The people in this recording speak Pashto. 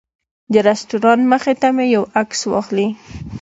د رسټورانټ مخې ته مې یو عکس واخلي.